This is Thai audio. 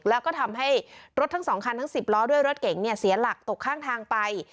แล้วก็ทำให้รถทั้ง๒คันทั้ง๑๐ล้อด้วยรถเก๋งเสียหลักตกข้างทางไป